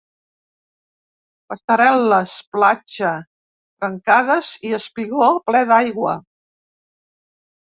Passarel·les platja trencades i espigó ple d'aigua.